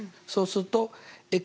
そうすると＝